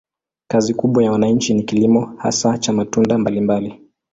Kazi kubwa ya wananchi ni kilimo, hasa cha matunda mbalimbali.